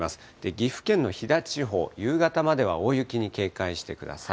岐阜県の飛騨地方、夕方までは大雪に警戒してください。